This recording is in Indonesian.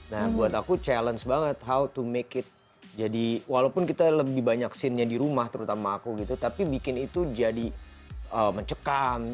nah buat aku challenge banget how to make it jadi walaupun kita lebih banyak scene nya di rumah terutama aku gitu tapi bikin itu jadi mencekam